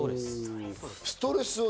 ストレスを。